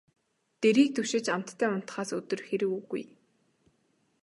Дэрийг түшиж амттай унтахаас өдөр хэрэг үгүй.